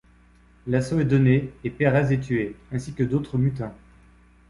L'assaut est donné et Pérez est tué, ainsi que d'autres mutins.